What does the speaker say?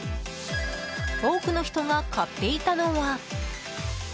多くの人が買っていたのは。